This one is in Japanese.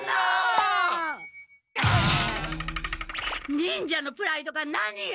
忍者のプライドが何よ！